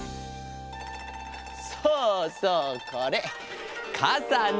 そうそうこれかさね！